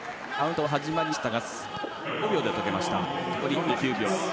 カウントは始まりましたが５秒で解けました。